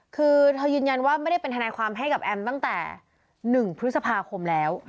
คือเธอยืนยันว่าไม่ได้เป็นทนายความให้กับแอมตั้งแต่๑พฤษภาคมแล้ว